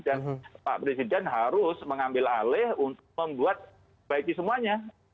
dan pak presiden harus mengambil alih untuk membuat baiki semuanya